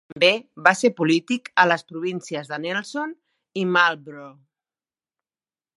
També va ser polític a les províncies de Nelson i Marlborough.